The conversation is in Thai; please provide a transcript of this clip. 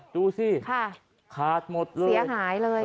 ดูสิขาดหมดเลยเสียหายเลย